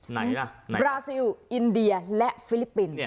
ไหนล่ะไหนบราซิลอินเดียและฟิลิปปินส์